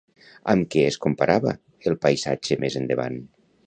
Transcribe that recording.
Amb què es compara el paisatge més endavant?